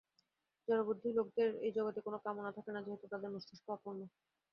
জড়বুদ্ধি লোকদের এই জগতে কোন কামনা থাকে না, যেহেতু তাহাদের মস্তিষ্ক অপূর্ণ।